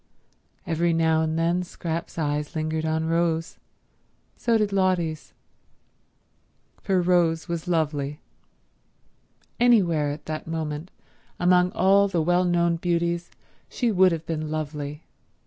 Every now and then Scrap's eyes lingered on Rose; so did Lotty's. For Rose was lovely. Anywhere at that moment, among all the well known beauties, she would have been lovely.